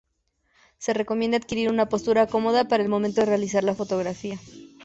Se recomienda adquirir una postura cómoda para el momento de realizar la fotografía.